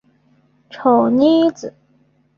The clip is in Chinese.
丑妮子。